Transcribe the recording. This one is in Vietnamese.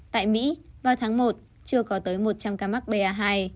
tại mỹ vào tháng một chưa có tới một trăm linh ca mắc ba hai